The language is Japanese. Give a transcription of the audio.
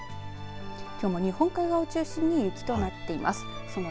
きょうも日本海側を中心に雪となっています。